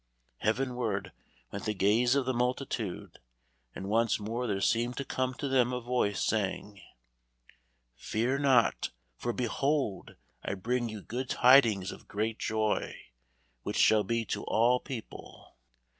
Heavenward went the gaze of the multitude, and once more there seemed to come to them a voice, saying: "Fear not, for behold I bring you good tidings of great joy, which shall be to all people."